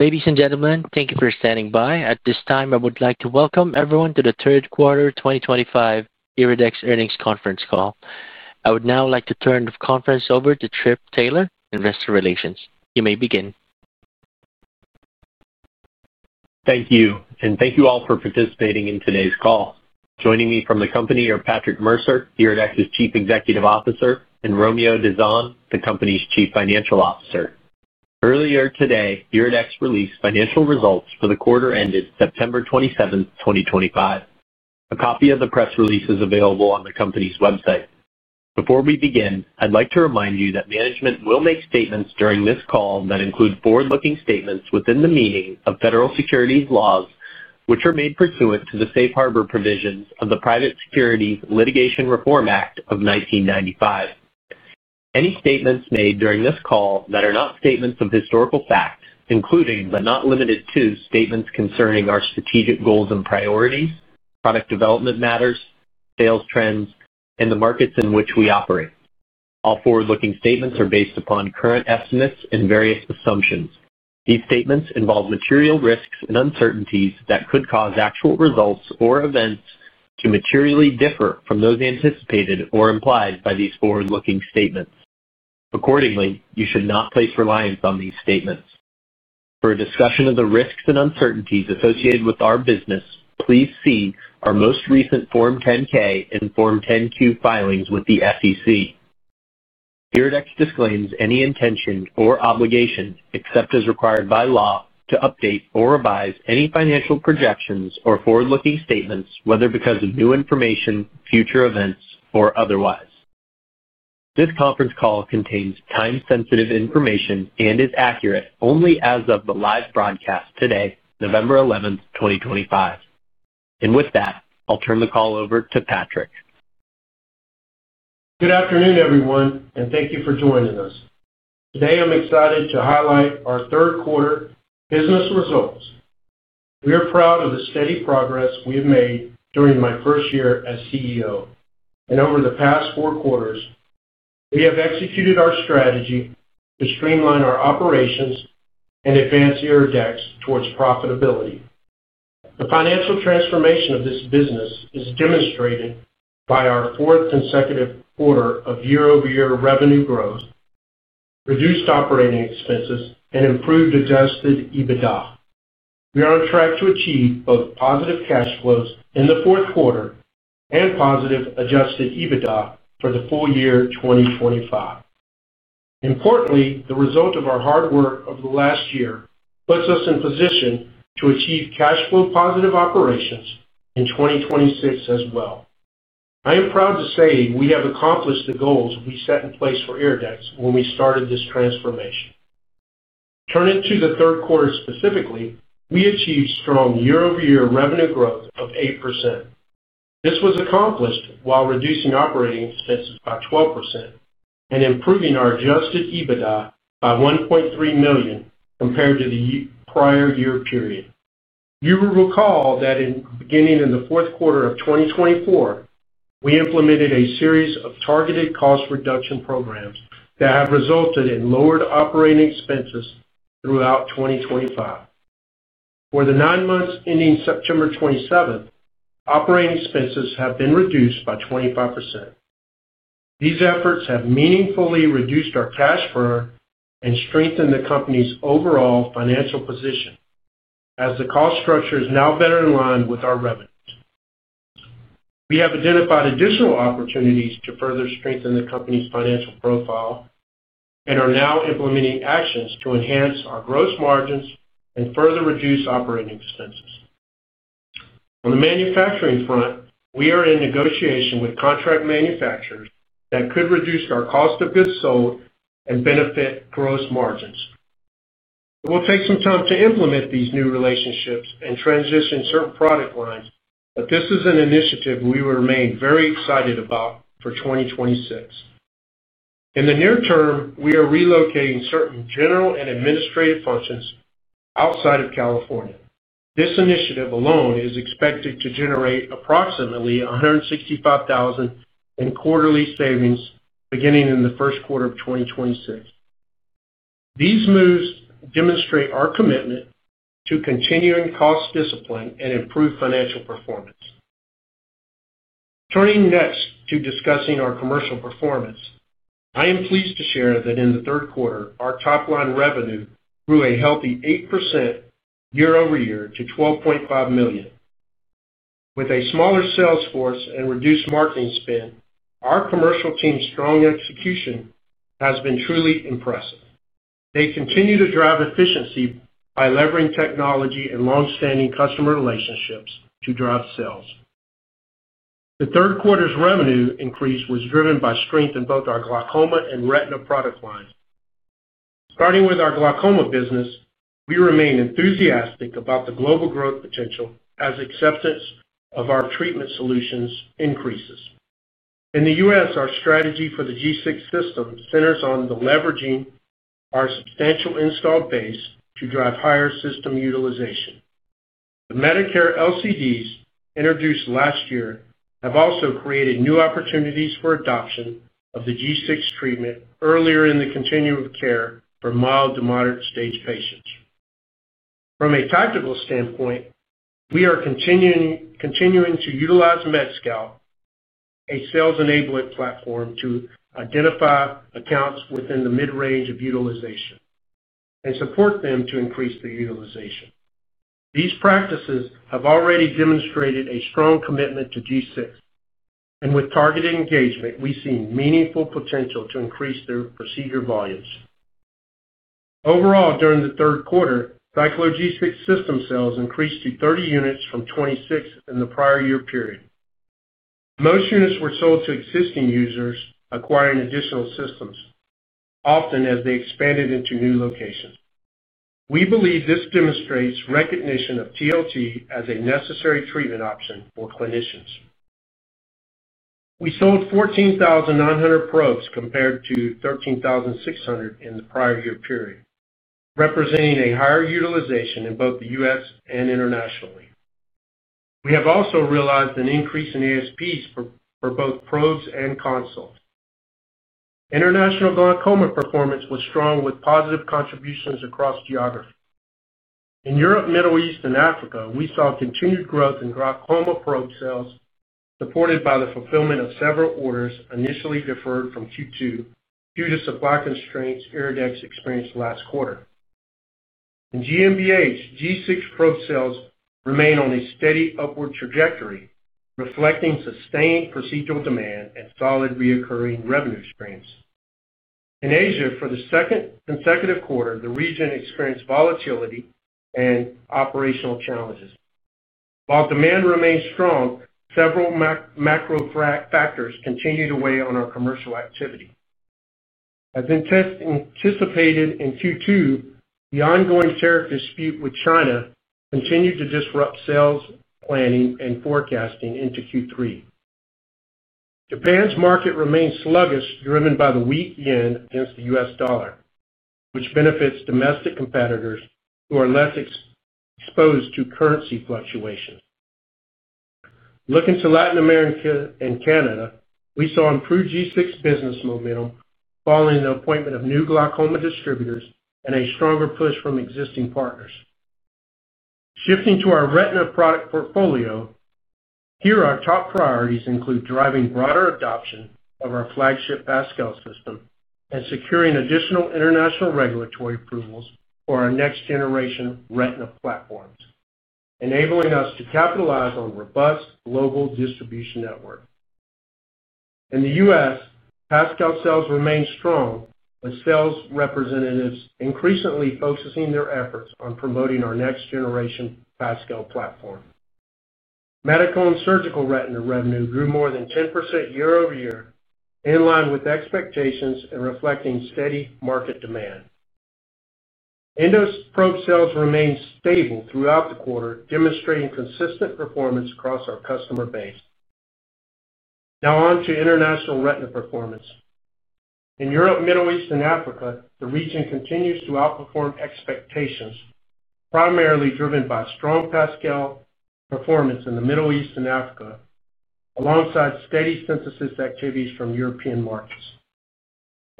Ladies and gentlemen, thank you for standing by. At this time, I would like to welcome everyone to the third quarter 2025 Iridex earnings conference call. I would now like to turn the conference over to Trip Taylor, Investor Relations. You may begin. Thank you, and thank you all for participating in today's call. Joining me from the company are Patrick Mercer, Iridex's Chief Executive Officer, and Romeo Dizon, the company's Chief Financial Officer. Earlier today, Iridex released financial results for the quarter ended September 27th, 2025. A copy of the press release is available on the company's website. Before we begin, I'd like to remind you that management will make statements during this call that include forward-looking statements within the meaning of federal securities laws, which are made pursuant to the safe harbor provisions of the Private Securities Litigation Reform Act of 1995. Any statements made during this call that are not statements of historical fact, including but not limited to statements concerning our strategic goals and priorities, product development matters, sales trends, and the markets in which we operate. All forward-looking statements are based upon current estimates and various assumptions. These statements involve material risks and uncertainties that could cause actual results or events to materially differ from those anticipated or implied by these forward-looking statements. Accordingly, you should not place reliance on these statements. For a discussion of the risks and uncertainties associated with our business, please see our most recent Form 10-K and Form 10-Q filings with the SEC. Iridex disclaims any intention or obligation, except as required by law, to update or revise any financial projections or forward-looking statements, whether because of new information, future events, or otherwise. This conference call contains time-sensitive information and is accurate only as of the live broadcast today, November 11th, 2025. With that, I'll turn the call over to Patrick. Good afternoon, everyone, and thank you for joining us. Today, I'm excited to highlight our third quarter business results. We are proud of the steady progress we have made during my first year as CEO, and over the past four quarters, we have executed our strategy to streamline our operations and advance Iridex towards profitability. The financial transformation of this business is demonstrated by our fourth consecutive quarter of year-over-year revenue growth, reduced operating expenses, and improved Adjusted EBITDA. We are on track to achieve both positive cash flows in the fourth quarter and positive Adjusted EBITDA for the full year 2025. Importantly, the result of our hard work of the last year puts us in position to achieve cash flow positive operations in 2026 as well. I am proud to say we have accomplished the goals we set in place for Iridex when we started this transformation. Turning to the third quarter specifically, we achieved strong year-over-year revenue growth of 8%. This was accomplished while reducing operating expenses by 12% and improving our Adjusted EBITDA by $1.3 million compared to the prior year period. You will recall that in the beginning of the fourth quarter of 2024, we implemented a series of targeted cost reduction programs that have resulted in lowered operating expenses throughout 2025. For the nine months ending September 27th, operating expenses have been reduced by 25%. These efforts have meaningfully reduced our cash flow and strengthened the company's overall financial position, as the cost structure is now better in line with our revenues. We have identified additional opportunities to further strengthen the company's financial profile and are now implementing actions to enhance our gross margins and further reduce operating expenses. On the manufacturing front, we are in negotiation with contract manufacturers that could reduce our cost of goods sold and benefit gross margins. It will take some time to implement these new relationships and transition certain product lines, but this is an initiative we remain very excited about for 2026. In the near term, we are relocating certain general and administrative functions outside of California. This initiative alone is expected to generate approximately $165,000 in quarterly savings beginning in the first quarter of 2026. These moves demonstrate our commitment to continuing cost discipline and improved financial performance. Turning next to discussing our commercial performance, I am pleased to share that in the third quarter, our top-line revenue grew a healthy 8% year-over-year to $12.5 million. With a smaller sales force and reduced marketing spend, our commercial team's strong execution has been truly impressive. They continue to drive efficiency by leveraging technology and long-standing customer relationships to drive sales. The third quarter's revenue increase was driven by strength in both our Glaucoma and Retina product lines. Starting with our Glaucoma business, we remain enthusiastic about the global growth potential as acceptance of our treatment solutions increases. In the U.S., our strategy for the G6 system centers on leveraging our substantial installed base to drive higher system utilization. The Medicare LCDs introduced last year have also created new opportunities for adoption of the G6 treatment earlier in the continuum of care for mild to moderate-stage patients. From a tactical standpoint, we are continuing to utilize MedScout, a sales enablement platform, to identify accounts within the mid-range of utilization and support them to increase their utilization. These practices have already demonstrated a strong commitment to G6, and with targeted engagement, we see meaningful potential to increase their procedure volumes. Overall, during the third quarter, Cyclo G6 system sales increased to 30 units from 26 in the prior year period. Most units were sold to existing users acquiring additional systems, often as they expanded into new locations. We believe this demonstrates recognition of TLT as a necessary treatment option for clinicians. We sold 14,900 probes compared to 13,600 in the prior year period, representing a higher utilization in both the U.S. and internationally. We have also realized an increase in ASPs for both probes and consults. International Glaucoma performance was strong, with positive contributions across geography. In Europe, the Middle East, and Africa, we saw continued growth in Glaucoma probe sales supported by the fulfillment of several orders initially deferred from Q2 due to supply constraints Iridex experienced last quarter. In GMBH, G6-Probe sales remain on a steady upward trajectory, reflecting sustained procedural demand and solid recurring revenue streams. In Asia, for the second consecutive quarter, the region experienced volatility and operational challenges. While demand remains strong, several macro factors continue to weigh on our commercial activity. As anticipated in Q2, the ongoing tariff dispute with China continued to disrupt sales planning and forecasting into Q3. Japan's market remains sluggish, driven by the weak yen against the U.S. dollar, which benefits domestic competitors who are less exposed to currency fluctuations. Looking to Latin America and Canada, we saw improved G6 business momentum following the appointment of new Glaucoma distributors and a stronger push from existing partners. Shifting to our Retina product portfolio, here, our top priorities include driving broader adoption of our flagship PASCAL system and securing additional international regulatory approvals for our next-generation Retina platforms, enabling us to capitalize on a robust global distribution network. In the U.S., PASCAL sales remain strong, with sales representatives increasingly focusing their efforts on promoting our next-generation PASCAL platform. Medical and Surgical Retina revenue grew more than 10% year-over-year, in line with expectations and reflecting steady market demand. EndoProbe sales remained stable throughout the quarter, demonstrating consistent performance across our customer base. Now on to international Retina performance. In Europe, the Middle East, and Africa, the region continues to outperform expectations, primarily driven by strong PASCAL performance in the Middle East and Africa, alongside steady synthesis activities from European markets.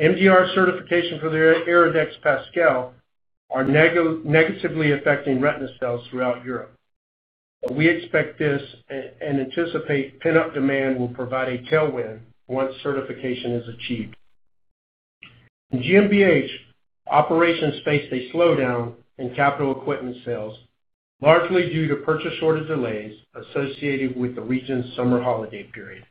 MDR certification for the Iridex PASCAL is negatively affecting Retina sales throughout Europe, but we expect this and anticipate pin-up demand will provide a tailwind once certification is achieved. In GMBH, operations faced a slowdown in capital equipment sales, largely due to purchase shortage delays associated with the region's summer holiday period.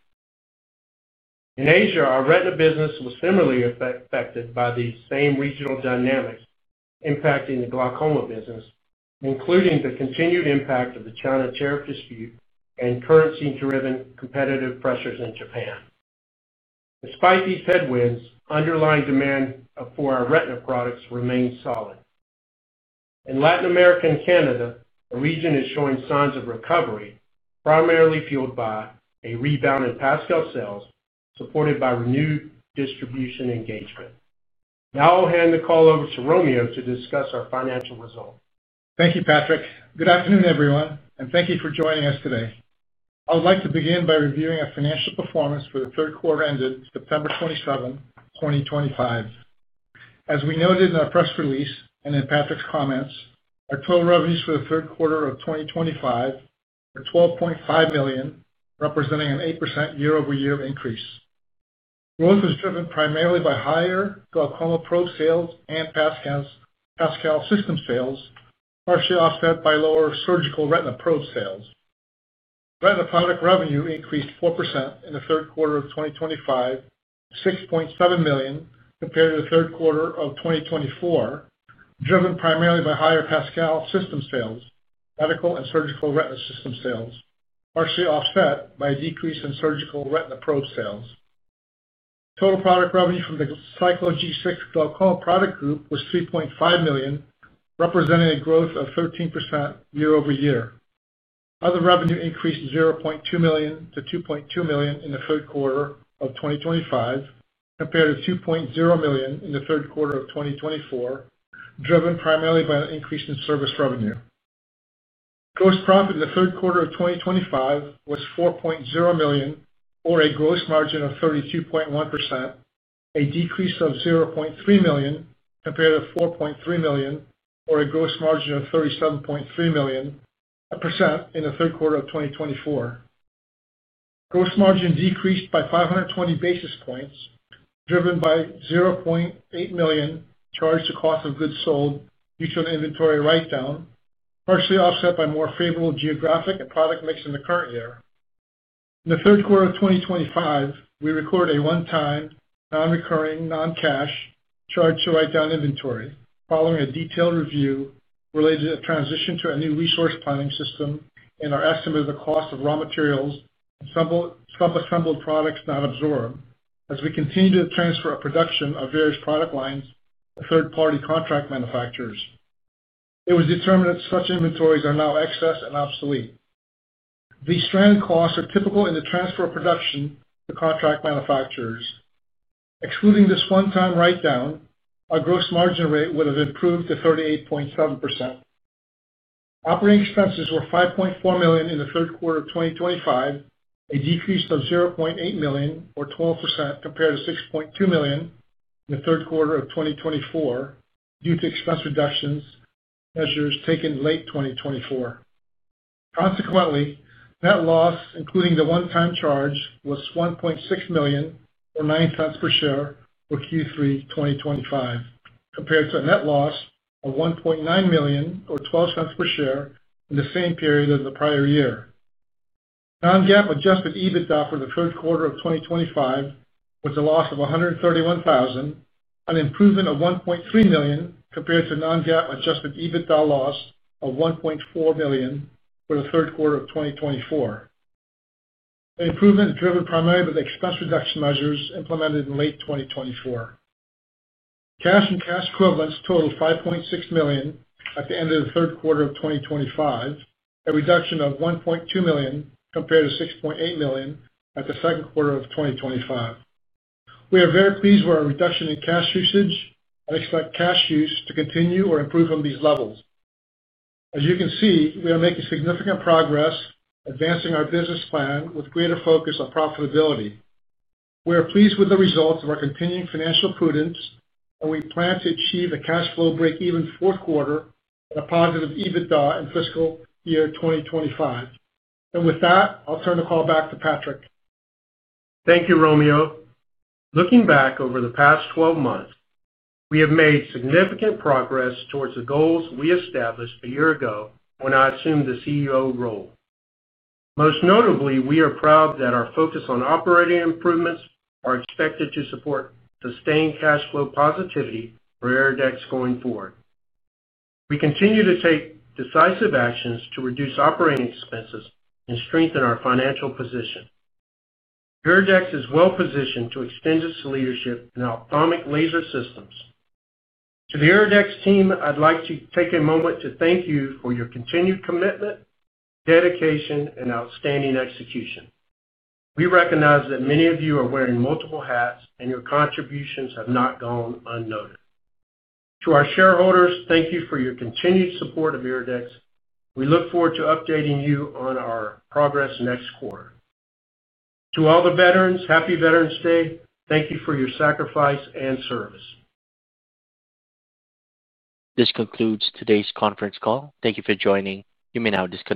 In Asia, our Retina business was similarly affected by the same regional dynamics impacting the Glaucoma business, including the continued impact of the China tariff dispute and currency-driven competitive pressures in Japan. Despite these headwinds, underlying demand for our Retina products remains solid. In Latin America and Canada, the region is showing signs of recovery, primarily fueled by a rebound in PASCAL sales supported by renewed distribution engagement. Now I'll hand the call over to Romeo to discuss our financial results. Thank you, Patrick. Good afternoon, everyone, and thank you for joining us today. I would like to begin by reviewing our financial performance for the third quarter ended September 27, 2025. As we noted in our press release and in Patrick's comments, our total revenues for the third quarter of 2025 were $12.5 million, representing an 8% year-over-year increase. Growth was driven primarily by higher Glaucoma probe sales and PASCAL system sales, partially offset by lower surgical Retina probe sales. Retina product revenue increased 4% in the third quarter of 2025 to $6.7 million compared to the third quarter of 2024, driven primarily by higher PASCAL system sales, medical and surgical Retina system sales, partially offset by a decrease in surgical Retina probe sales. Total product revenue from the Cyclo G6 Glaucoma product group was $3.5 million, representing a growth of 13% year-over-year. Other revenue increased $0.2 million to $2.2 million in the third quarter of 2025 compared to $2.0 million in the third quarter of 2024, driven primarily by an increase in service revenue. Gross profit in the third quarter of 2025 was $4.0 million, or a gross margin of 32.1%, a decrease of $0.3 million compared to $4.3 million, or a gross margin of 37.3%, in the third quarter of 2024. Gross margin decreased by 520 basis points, driven by $0.8 million charged to cost of goods sold due to an inventory write-down, partially offset by more favorable geographic and product mix in the current year. In the third quarter of 2025, we recorded a one-time, non-recurring, non-cash charge to write down inventory following a detailed review related to the transition to a new resource planning system and our estimate of the cost of raw materials and sub-assembled products not absorbed as we continued to transfer our production of various product lines to third-party contract manufacturers. It was determined that such inventories are now excess and obsolete. These stranded costs are typical in the transfer of production to contract manufacturers. Excluding this one-time write-down, our gross margin rate would have improved to 38.7%. Operating expenses were $5.4 million in the third quarter of 2025, a decrease of $0.8 million, or 12%, compared to $6.2 million in the third quarter of 2024 due to expense reduction measures taken late 2024. Consequently, net loss, including the one-time charge, was $1.6 million, or $0.09 per share, for Q3 2025, compared to a net loss of $1.9 million, or $0.12 per share, in the same period as the prior year. Non-GAAP Adjusted EBITDA for the third quarter of 2025 was a loss of $131,000, an improvement of $1.3 million compared to non-GAAP Adjusted EBITDA loss of $1.4 million for the third quarter of 2024. The improvement is driven primarily by the expense reduction measures implemented in late 2024. Cash and cash equivalents totaled $5.6 million at the end of the third quarter of 2025, a reduction of $1.2 million compared to $6.8 million at the second quarter of 2025. We are very pleased with our reduction in cash usage and expect cash use to continue or improve from these levels. As you can see, we are making significant progress, advancing our business plan with greater focus on profitability. We are pleased with the results of our continuing financial prudence, and we plan to achieve a cash flow break-even fourth quarter and a positive EBITDA in fiscal year 2025. With that, I'll turn the call back to Patrick. Thank you, Romeo. Looking back over the past 12 months, we have made significant progress towards the goals we established a year ago when I assumed the CEO role. Most notably, we are proud that our focus on operating improvements is expected to support sustained cash flow positivity for Iridex going forward. We continue to take decisive actions to reduce operating expenses and strengthen our financial position. Iridex is well-positioned to extend its leadership in Ophthalmic Laser Systems. To the Iridex team, I'd like to take a moment to thank you for your continued commitment, dedication, and outstanding execution. We recognize that many of you are wearing multiple hats, and your contributions have not gone unnoted. To our shareholders, thank you for your continued support of Iridex. We look forward to updating you on our progress next quarter. To all the veterans, Happy Veterans' Day. Thank you for your sacrifice and service. This concludes today's conference call. Thank you for joining. You may now disconnect.